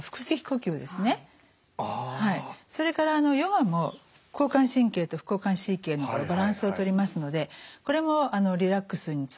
それからヨガも交感神経と副交感神経のバランスをとりますのでこれもリラックスにつながるわけです。